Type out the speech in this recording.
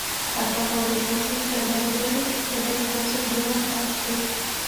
a favor das massas trabalhadoras e das forças democráticas